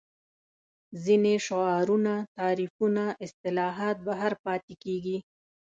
ځینې شعارونه تعریفونه اصطلاحات بهر پاتې کېږي